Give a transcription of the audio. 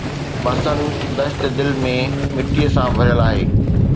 بسن دشت دل ۾ مٽيءَ سان ڀريل آهي